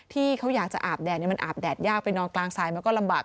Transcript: ที่เขาอยากจะอาบแดดมันอาบแดดยากไปนอนกลางทรายมันก็ลำบาก